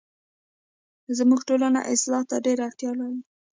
زموږ ټولنه اصلاح ته ډيره اړتیا لري